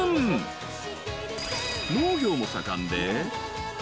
［農業も盛んで］